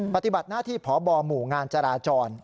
ปฏิบัติหน้าที่พบหมู่งานจราจร